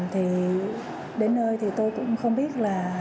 thì đến nơi thì tôi cũng không biết là